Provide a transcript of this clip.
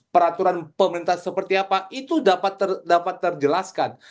peraturan pemerintah seperti apa itu dapat terjelaskan